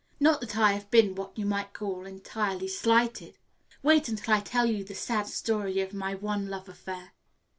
"Not that I have been what you might call entirely slighted. Wait until I tell you the sad story of my one love affair."